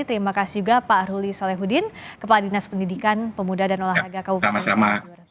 terima kasih juga pak ruli solehudin kepala dinas pendidikan pemuda dan olahraga kabupaten